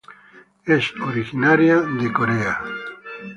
Es originaria de Corea.